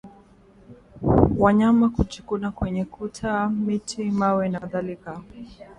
Wanyama kujikuna kwenye kuta miti mawe na kadhalika